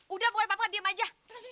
udah pokoknya papa kan diam saja